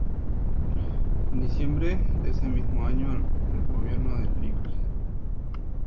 En diciembre de ese mismo año, en el gobierno del Lic.